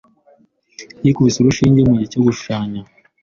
Yikubise urushinge mugihe cyo gushushanya.